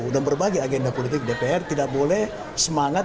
dan berbagai agenda politik dpr tidak boleh semangat dan berpengalaman